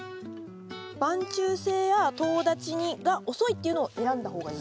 晩抽性やとう立ちが遅いっていうのを選んだ方がいい。